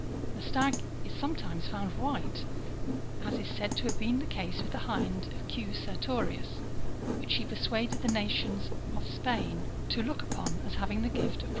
The stag is sometimes found white, as is said to have been the case with the hind of Q. Sertorius, which he persuaded the nations of Spain to look upon as having the gift of prophecy.